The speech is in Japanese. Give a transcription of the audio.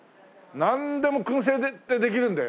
なんでも燻製でできるんだよね。